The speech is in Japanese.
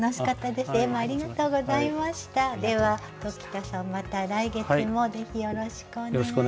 では鴇田さんまた来月もぜひよろしくお願いします。